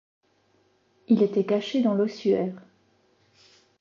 Il était caché dans l'ossuaire.